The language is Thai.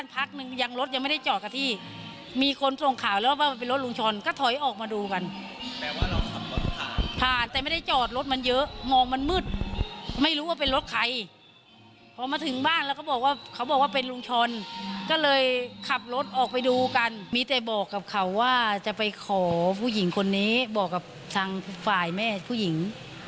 ผมเลยบอกกับเขาว่าจะไปขอผู้หญิงคนนี้บอกกับทางฝ่ายแม่ผู้หญิง